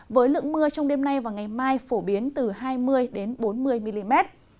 với lượng mưa trong đêm nay và ngày mai phổ biến từ hai mươi bốn mươi mm